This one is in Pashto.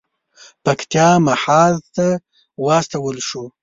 پکتیا محاذ ته واستول شول.